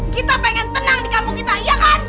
kita pengen tenang di kampung kita ya kan